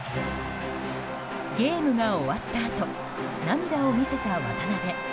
ゲームが終わったあと涙を見せた渡邊。